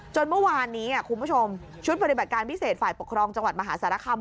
เมื่อวานนี้คุณผู้ชมชุดปฏิบัติการพิเศษฝ่ายปกครองจังหวัดมหาสารคาม